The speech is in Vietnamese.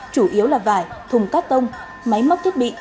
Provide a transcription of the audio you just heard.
chủ yếu là vải thùng cắt tông máy móc thiết bị